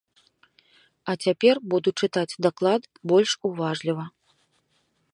А цяпер буду чытаць даклад больш уважліва.